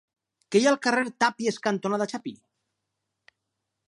Què hi ha al carrer Tàpies cantonada Chapí?